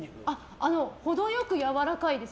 程良くやわらかいです。